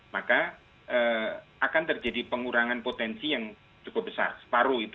maka akan terjadi pengurangan potensi yang cukup besar